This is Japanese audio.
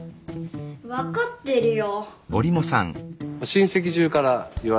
分かってるよ。